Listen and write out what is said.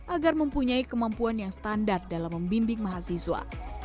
agar mempunyai kemampuan yang standar dalam membimbing mahasiswa